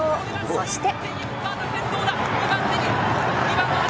そして。